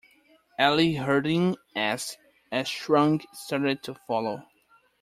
Eli Harding asked, as Shunk started to follow.